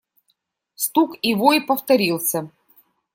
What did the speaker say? Стук и вой повторился.